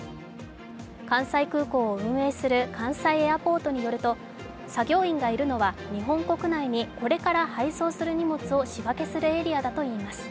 関西空港を運営する関西エアポートによると、作業員がいるのは日本国内にこれから配送する荷物を仕分けするエリアだといいます。